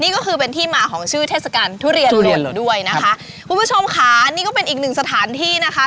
นี่ก็คือเป็นที่มาของชื่อเทศกาลทุเรียนด้วยนะคะคุณผู้ชมค่ะนี่ก็เป็นอีกหนึ่งสถานที่นะคะ